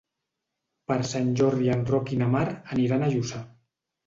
Per Sant Jordi en Roc i na Mar aniran a Lluçà.